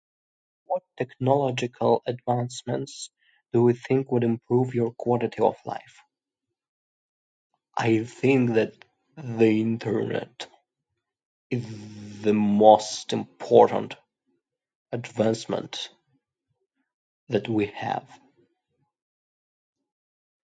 What technological advancements do you think would improve your quality of life? I think that the internet... the most important advancement that we have.